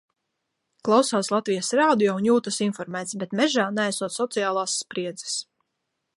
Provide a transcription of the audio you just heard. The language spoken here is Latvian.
Klausās Latvijas Radio un jūtas informēts, bet mežā neesot sociālās spriedzes.